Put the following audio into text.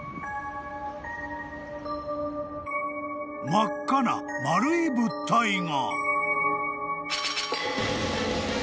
［真っ赤な丸い物体が］